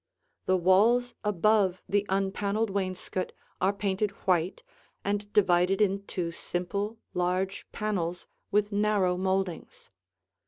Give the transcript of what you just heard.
The walls above the unpaneled wainscot are painted white and divided into simple, large panels with narrow moldings.